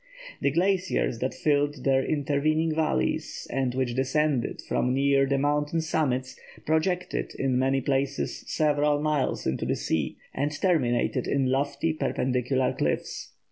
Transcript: The glaciers that filled their intervening valleys, and which descended from near the mountain summits, projected, in many places, several miles into the sea, and terminated in lofty, perpendicular cliffs.